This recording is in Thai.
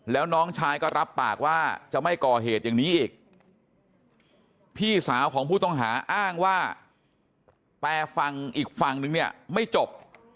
แล้วน้องชายก็รับปากว่าจะไม่ก่อเหตุอย่างนี้อีก